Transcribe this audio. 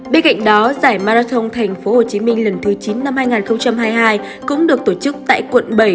bên cạnh đó giải marathon tp hcm lần thứ chín năm hai nghìn hai mươi hai cũng được tổ chức tại quận bảy